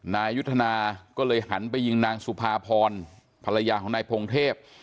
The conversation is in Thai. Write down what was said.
นายยุทธนาก็เลยหันไปยิงนางสุภาพรภรรยาของนายพงเทพ